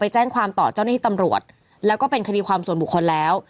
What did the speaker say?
แจ้งความต่อเจ้าหน้าที่ตำรวจแล้วก็เป็นคดีความส่วนบุคคลแล้ว